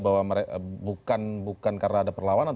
bahwa bukan karena ada perlawanan